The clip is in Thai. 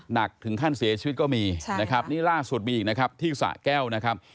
หนักถึงขั้นเสียชีวิตก็มีนะครับนี่ล่าสุดมีอีกนะครับที่สะแก้วนะครับ